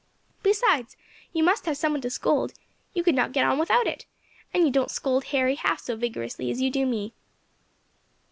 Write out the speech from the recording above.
Besides, you must have some one to scold; you could not get on without it, and you don't scold Harry half so vigorously as you do me."